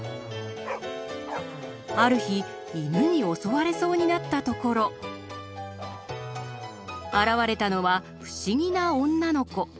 ある日犬に襲われそうになったところ現れたのは不思議な女の子。